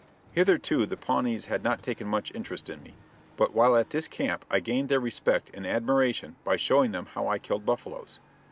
Hitherto the Pawnees had not taken much interest in me, but while at this camp I gained their respect and admiration by showing them how I killed buffaloes.